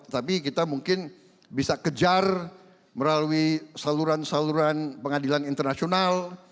tapi kita mungkin bisa kejar melalui saluran saluran pengadilan internasional